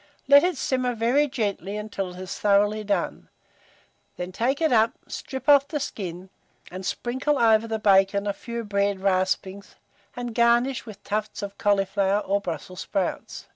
Let it simmer very gently until it is thoroughly done; then take it up, strip off the skin, and sprinkle over the bacon a few bread raspings, and garnish with tufts of cauliflower or Brussels sprouts.